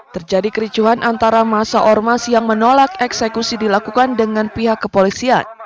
terjadi kericuhan antara masa ormas yang menolak eksekusi dilakukan dengan pihak kepolisian